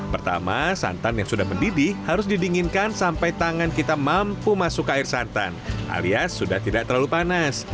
pertama santan yang sudah mendidih harus didinginkan sampai tangan kita mampu masuk ke air santan alias sudah tidak terlalu panas